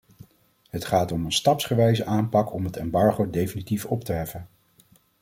Het gaat om een stapsgewijze aanpak om het embargo definitief op te heffen.